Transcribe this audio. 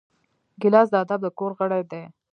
ګیلاس د ادب د کور غړی دی.